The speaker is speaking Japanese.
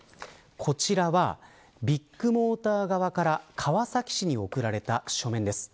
こちらはビッグモーター側から川崎市に送られた書面です。